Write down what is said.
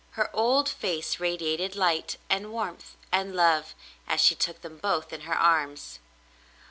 Her old face radiated light and warmth and love as she took them both in her arms.